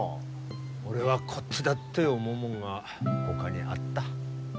俺はこっちだって思うもんがほかにあった。